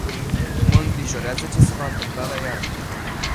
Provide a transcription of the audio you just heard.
Mă îngrijorează ce se va întâmpla la iarnă.